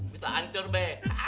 bisa hancur be